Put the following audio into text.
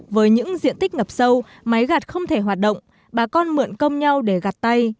với những diện tích ngập sâu máy gạt không thể hoạt động bà con mượn công nhau để gạt tay